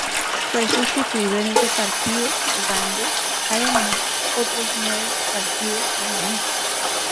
Fue sustituido en ese partido, jugando, además, otros nueve partidos con Lanús.